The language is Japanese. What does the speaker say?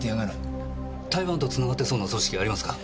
台湾と繋がってそうな組織ありますか？